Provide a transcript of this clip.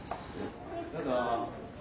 どうぞ。